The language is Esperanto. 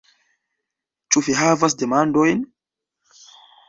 Ĉu vi havas demandojn?